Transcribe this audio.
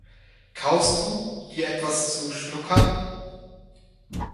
Kaufst du dir etwas zu schnuckern?